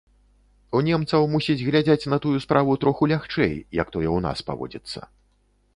У немцаў, мусіць, глядзяць на тую справу троху лягчэй, як тое ў нас паводзіцца.